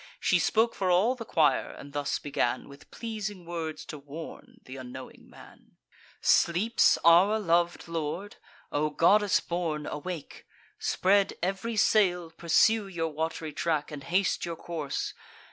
She spoke for all the choir, and thus began With pleasing words to warn th' unknowing man: "Sleeps our lov'd lord? O goddess born, awake! Spread ev'ry sail, pursue your wat'ry track, And haste your course.